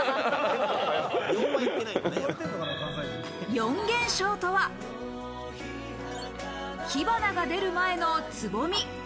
４現象とは、火花が出る前の蕾。